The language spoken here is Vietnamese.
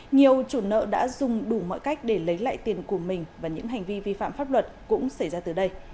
nhiều chủ nợ đã dùng đủ mọi cách để lấy lại tiền của mình và những hành vi vi phạm pháp luật cũng xảy ra từ đây